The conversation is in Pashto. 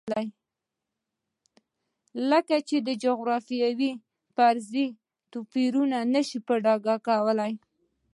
کله چې د جغرافیې فرضیه توپیر نه شي په ډاګه کولی.